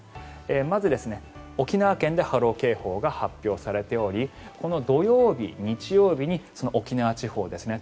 まず、沖縄県で波浪警報が発表されており土曜日、日曜日に沖縄地方ですね